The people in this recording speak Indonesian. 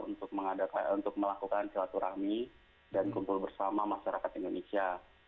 untuk melakukan sholat urami dan kumpul bersama masyarakat indonesia